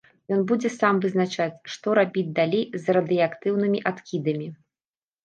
Ён будзе сам вызначаць, што рабіць далей з радыеактыўнымі адкідамі.